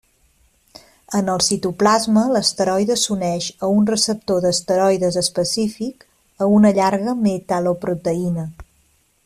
En el citoplasma, l'esteroide s'uneix a un receptor d'esteroides específic, a una llarga metal·loproteïna.